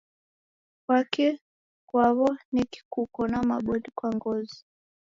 Kwani kwawo'neki kuko na maboli kwa ngozi